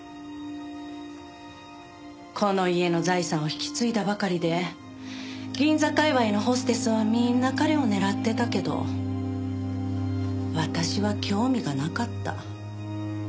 この家の財産を引き継いだばかりで銀座界隈のホステスはみんな彼を狙ってたけど私は興味がなかった。